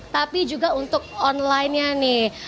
tapi juga untuk online nya nih